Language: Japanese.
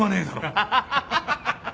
アハハハ。